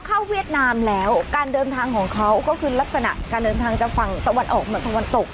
เวียดนามแล้วการเดินทางของเขาก็คือลักษณะการเดินทางจากฝั่งตะวันออกเหมือนตะวันตก